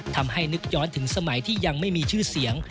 ทำให้นึกย้อนถึงสมัยที่ยังไม่มีชื่อเสียง